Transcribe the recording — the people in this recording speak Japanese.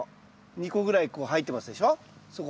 ２個ぐらいこう入ってますでしょそこ。